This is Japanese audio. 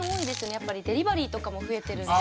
やっぱりデリバリーとかも増えてるんで。